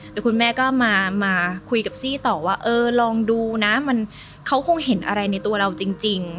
แล้วคุณแม่ก็มาคุยกับซี่ต่อว่าเออลองดูนะเขาคงเห็นอะไรในตัวเราจริง